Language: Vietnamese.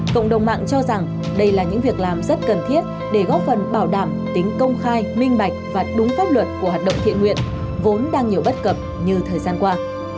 cộng đồng mạng cho rằng đây là những việc làm rất cần thiết để góp phần bảo đảm tính công khai minh bạch và đúng pháp luật của hoạt động thiện nguyện vốn đang nhiều bất cập như thời gian qua